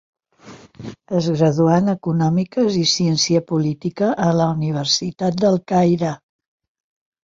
Es graduà en econòmiques i ciència política a la Universitat del Caire.